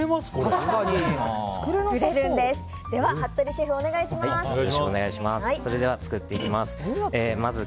では服部シェフ、お願いします。